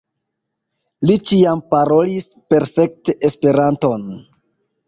Li ĉiam parolis perfekte Esperanton.